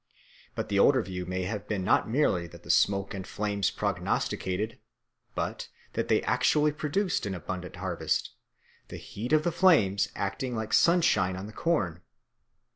But the older view may have been not merely that the smoke and flames prognosticated, but that they actually produced an abundant harvest, the heat of the flames acting like sunshine on the corn.